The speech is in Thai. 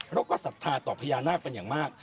แล้วก็ศรัทธาต่อพญานาคเป็นอย่างมาก